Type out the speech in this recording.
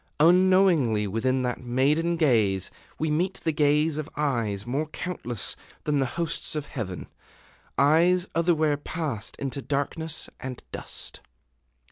Unknowingly within that maiden gaze we meet the gaze of eyes more countless than the hosts of heaven, eyes otherwhere passed into darkness and dust.